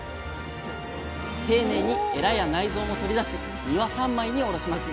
丁寧にエラや内臓も取り出し身は三枚におろします。